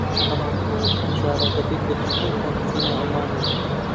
بەڵام بۆ ئەمجارە دەبێت بەزووترین کات بچینە ئەڵمانیا